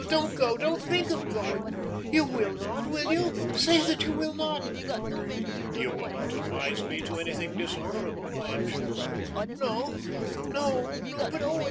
don't go! Don't think of going. You will not will you? Say that you will not!" "You will not advise me to anything dishonorable, I am sure." "No no but oh!